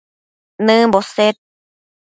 nëmbo sed